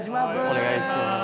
お願いします。